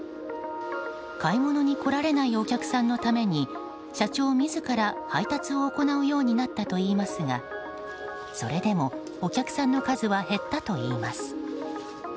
買い物に来られないお客さんのために社長自ら配達を行うようになったといいますがそれでもお客さんの数は減ったといいます。